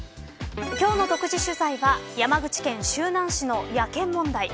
今日の独自取材は山口県周南市の野犬問題。